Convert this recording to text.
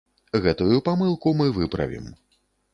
Гэтую памылку мы выправім.